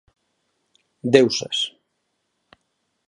Deusas!